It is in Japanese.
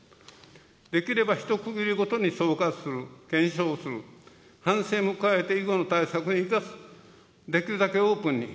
できれば一区切りごとに総括する、検証する、反省も加えて以後の対策に生かす、できるだけオープンに。